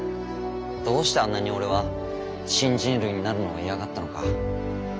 どうしてあんなに俺は新人類になるのを嫌がったのか。